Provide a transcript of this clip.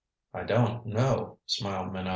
"I don't know," smiled Minot.